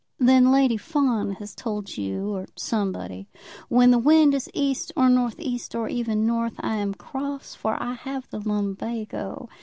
"Then Lady Fawn has told you, or somebody. When the wind is east, or north east, or even north, I am cross, for I have the lumbago.